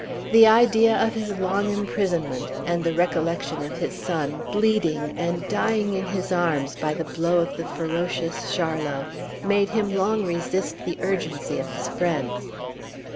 The idea of his long imprisonment and the recollection of his son, bleeding and dying in his arms by the blow of the ferocious Charlot, made him long resist the urgency of his friends.